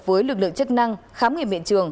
với lực lượng chức năng khám nghiệp miệng trường